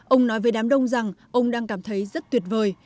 ông nói về đám đông rằng ông đang cảm thấy rất tuyệt vời